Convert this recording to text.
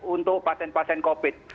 untuk pasien pasien covid